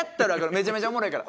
めちゃめちゃおもろいから。